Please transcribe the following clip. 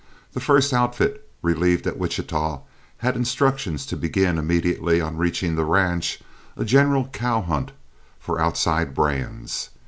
The first outfit relieved at Wichita had instructions to begin, immediately on reaching the ranch, a general cow hunt for outside brands.